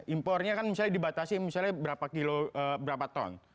impornya kan misalnya dibatasi misalnya berapa ton